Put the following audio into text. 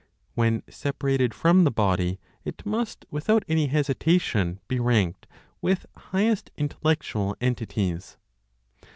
When separated from the body, it must, without any hesitation, be ranked with highest intellectual entities.